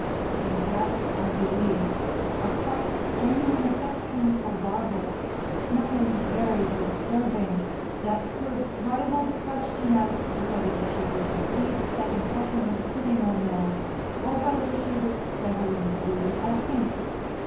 She had, I believe, a quite genuine affection for Barbara, nothing very disturbing, that could rival the question as to whether she would receive a second helping of pudding or no, or whether she looked better in blue or pink.